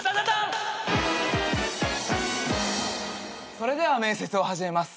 それでは面接を始めます。